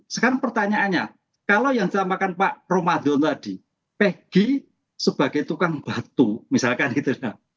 sekarang pertanyaannya kalau yang ditampakan pak romadhon tadi peggy sebagai tukang batu misalkan gitu mbak